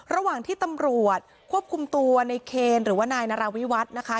ระหว่างที่ตำรวจควบคุมตัวในเคนหรือว่านายนาราวิวัฒน์นะคะ